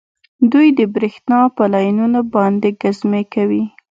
دوی د بریښنا په لینونو باندې ګزمې کوي